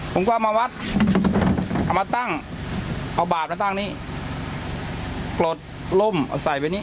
เอามาวัดเอามาตั้งเอาบาดมาตั้งนี้กรดล่มเอาใส่ไปนี้